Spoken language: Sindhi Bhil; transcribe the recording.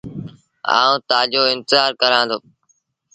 آئوٚݩ تآجو انتزآر ڪرآݩ پيو۔